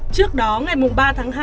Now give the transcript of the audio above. trước đó ngày ba tháng hai